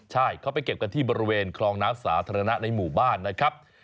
ใช่เขาไปเก็บกันที่บริเวณคลองน้ำสาธารณะในหมู่บ้านนะครับ